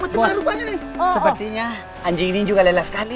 bos sepertinya anjing ini juga lelah sekali